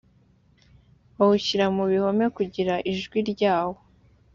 bawushyira mu bihome kugira ngo ijwi ryawo